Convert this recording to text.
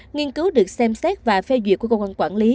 nghiên cứu được xem xét và phê duyệt của công an quản lý